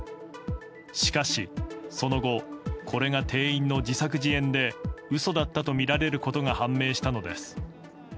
しかし、その後これが店員の自作自演で嘘だったとみられることが判明したのです。